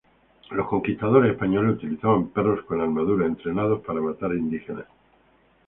Los conquistadores españoles utilizaron perros con armadura entrenados para matar indígenas.